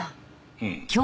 うん。